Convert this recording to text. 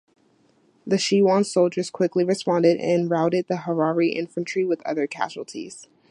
The Shewan soldiers quickly responded and routed the Harari infantry with few casualties.